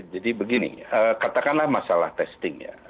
jadi begini katakanlah masalah testing ya